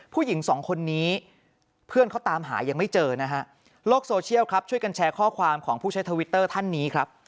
ผู้หญิงสองคนนี้เพื่อนเขาตามหายังไม่เจอนะฮะโลกโซเชียลครับช่วยกันแชร์ข้อความของผู้ใช้ทวิตเตอร์ท่านนี้ครับ